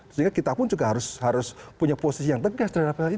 sehingga kita pun juga harus punya posisi yang tegas